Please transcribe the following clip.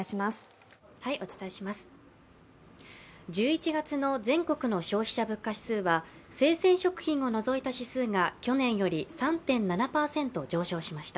１１月の全国の消費者物価指数は生鮮食品を除いた指数が去年より３．７％上昇しました。